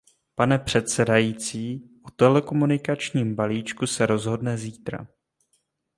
Pane předsedající, o telekomunikačním balíčku se rozhodne zítra.